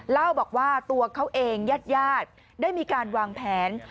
เล่าบอกว่าตัวเขาเองญาติญาติได้มีการวางแผน